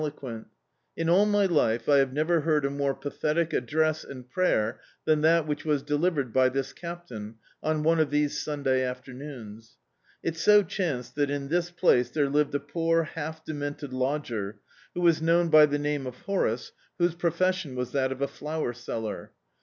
db, Google The Autobiography of a Super Tramp quenL In all my life I have never heard a more pathetic address and prayer than that which was delivered by this Captain, on one of these Sunday afternoons. It so chanced that in this place there lived a poor half demented lodger, who was known by the name of Horace, whose profession was that of a flower seller.